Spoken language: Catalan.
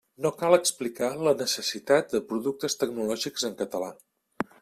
No cal explicar la necessitat de productes tecnològics en català.